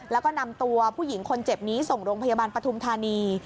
แล้วก็นำตัวผู้หญิงคนเจ็บนี้ส่งโรงพยาบาลปฐุมธานี